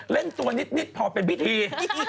เล่นตัวนิดพอเป็นพิธี